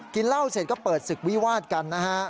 กินเหล้าเสร็จก็เปิดศึกวิวาดกันนะฮะ